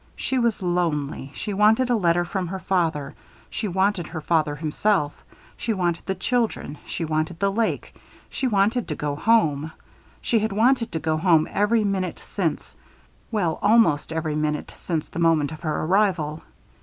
She was lonely, she wanted a letter from her father, she wanted her father himself, she wanted the children, she wanted the lake, she wanted to go home she had wanted to go home every minute since well, almost every minute since the moment of her arrival.